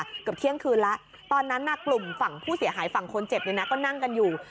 เกือบเที่ยงคืนแล้วตอนนั้นกลุ่มฝั่งผู้เสียหายฝั่งคนเจ็บเนี่ยนะก็นั่งกันอยู่